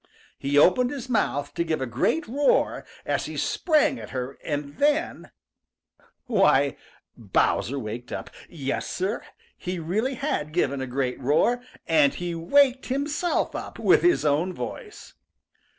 He opened his mouth to give a great roar as he sprang at her and then why, Bowser waked up. Yes, Sir, he really had given a great roar, and had waked himself up with his own voice.